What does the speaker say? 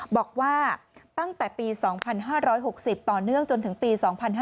บอกว่าตั้งแต่ปี๒๕๖๐ต่อเนื่องจนถึงปี๒๕๕๙